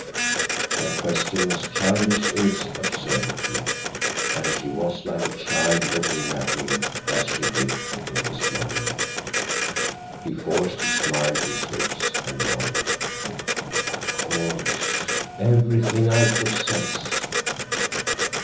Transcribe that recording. Her question was childish in its absurdity, and she was like a child looking at him as she did in this moment. He forced a smile to his lips and nodded. "Of course. Everything I possess."